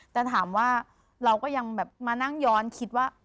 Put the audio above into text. แต่ถามว่าเราก็ยังแบบมานั่งย้อนคิดว่า